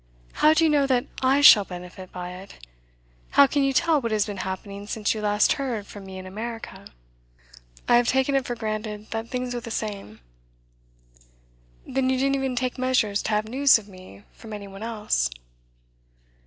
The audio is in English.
'How do you know that I shall benefit by it? How can you tell what has been happening since you last heard from me in America?' 'I have taken it for granted that things are the same.' 'Then you didn't even take measures to have news of me from any one else?